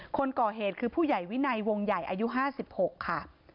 คนก่อเหตุคือผู้ใหญ่วินัยวงใหญ่อายุ๕๖ค่ะ